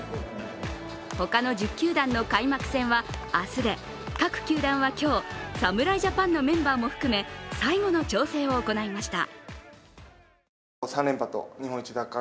ほかの１０球団の開幕戦は明日で各球団は今日、侍ジャパンのメンバーも含め最後の調整を行いました。